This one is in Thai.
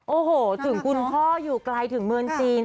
โอ้โหถึงคุณพ่ออยู่ไกลถึงเมืองจีน